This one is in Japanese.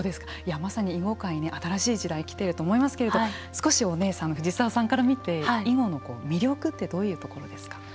まさに囲碁界に新しい時代来ていると思いますけれど少しおねえさんの藤沢さんから見て囲碁の魅力ってどういうところですか。